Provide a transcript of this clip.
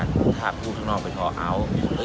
เราพูดอะไรไป